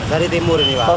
dari timur ini pak